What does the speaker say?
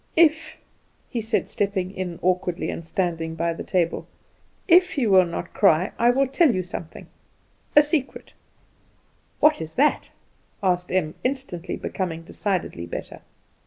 "If," he said, stepping in awkwardly and standing by the table, "if you will not cry I will tell you something a secret." "What is that?" asked Em, instantly becoming decidedly better.